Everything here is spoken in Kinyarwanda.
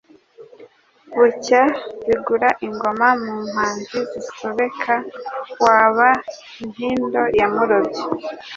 Bucya bigura ingoma mu mpanzi bisobeka waba intindo ya Murobyi